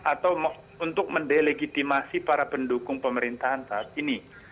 atau untuk mendelegitimasi para pendukung pemerintahan saat ini